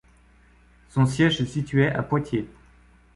Son siège se situait à Poitiers.